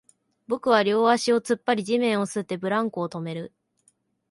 僕は両足を突っ張り、地面を擦って、ブランコを止める